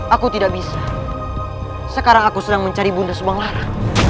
aku tidak bisa sekarang aku sedang mencari bunda subang lara